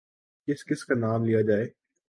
کس کس کا نام لیا جائے۔